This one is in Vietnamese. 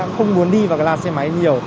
không muốn đi vào làn xe máy nhiều